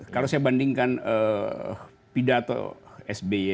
kalau saya bandingkan pidato sby